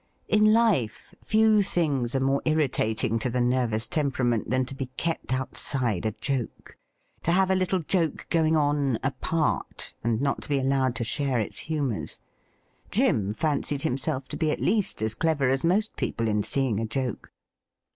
In life few things are more irritating to the nervous SOMEONE HAS BLUNDERED 89 temperament than to be kept outside a joke — ^to have a little joke going on 'apart,' and not to be allowed to share its humours. Jim fancied himself to be at least as clever as most people in seeing a joke.